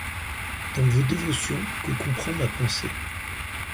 Dans vos dévotions que comprend ma pensée